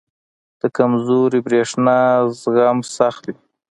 • د کمزوري برېښنا زغم سخت وي.